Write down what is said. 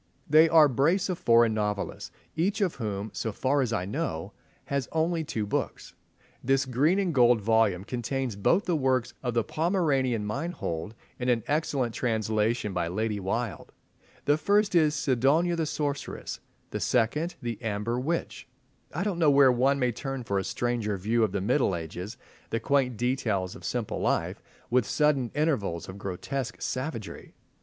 They are a brace of foreign novelists, each of whom, so far as I know, has only two books. This green and gold volume contains both the works of the Pomeranian Meinhold in an excellent translation by Lady Wilde. The first is "Sidonia the Sorceress," the second, "The Amber Witch." I don't know where one may turn for a stranger view of the Middle Ages, the quaint details of simple life, with sudden intervals of grotesque savagery.